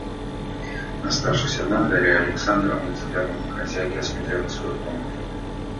Оставшись одна, Дарья Александровна взглядом хозяйки осмотрела свою комнату.